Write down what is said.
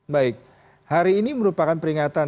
baik hari ini merupakan peringatan